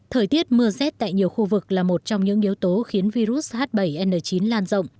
thời tiết mưa rét tại nhiều khu vực là một trong những yếu tố khiến virus h bảy n chín lan rộng